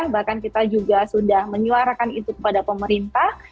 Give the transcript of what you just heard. bahkan kita juga sudah menyuarakan itu kepada pemerintah